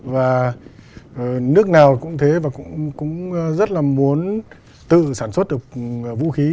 và nước nào cũng thế và cũng rất là muốn tự sản xuất được vũ khí